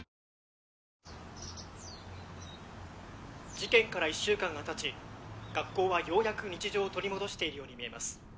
事件から１週間がたち学校はようやく日常を取り戻しているようにみえます。